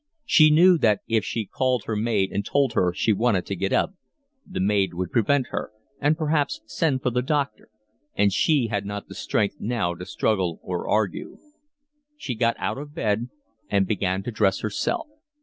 She knew that if she called her maid and told her she wanted to get up, the maid would prevent her, and perhaps send for the doctor, and she had not the strength now to struggle or argue. She got out of bed and began to dress herself.